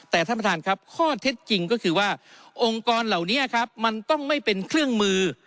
แต่ท่านประธานครับข้อเท็จจริงก็คือว่าองค์กรเหล่านี้ครับมันต้องไม่เป็นเครื่องมือ